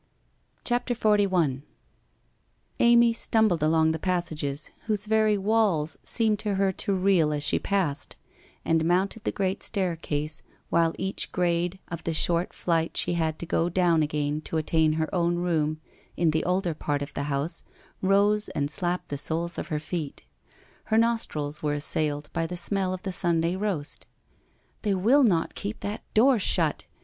CHAPTEE XLI Amy stumbled along the passages, whose very walls seemed to her to reel as she passed, and mounted the great stair case, while each grade of the short flight she had to go down again to attain her own room in the older part of the house rose and slapped the soles of her feet. Her nostrils were assailed by the smell of the Sunday roast. ' 'They will not keep that door shut